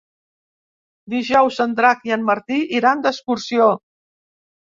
Dijous en Drac i en Martí iran d'excursió.